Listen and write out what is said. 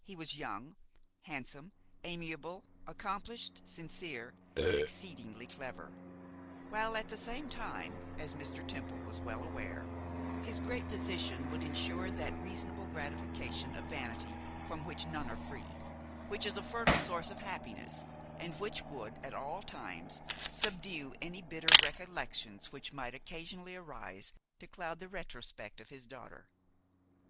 He was young, handsome, amiable, accomplished, sincere, and exceedingly clever; while, at the same time, as Mr. Temple was well aware, his great position would insure that reasonable gratification of vanity from which none are free, which is a fertile source of happiness, and which would, at all times, subdue any bitter recollections which might occasionally arise to cloud the retrospect of his daughter.